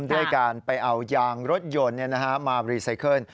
ด้วยการไปเอายางรถยนต์มารีไซเคิล